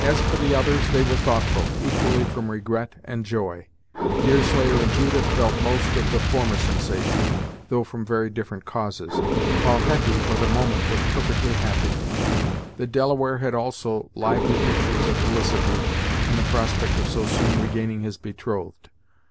As for the others, they were thoughtful equally from regret and joy. Deerslayer and Judith felt most of the former sensation, though from very different causes, while Hetty for the moment was perfectly happy. The Delaware had also lively pictures of felicity in the prospect of so soon regaining his betrothed.